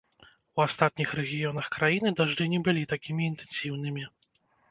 У астатніх рэгіёнах краіны дажджы не былі такімі інтэнсіўнымі.